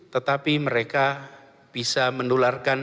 tetapi mereka bisa menularkan